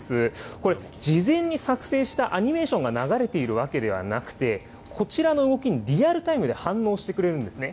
これ、事前に作成したアニメーションが流れているわけではなくて、こちらの動きにリアルタイムで反応してくれるんですね。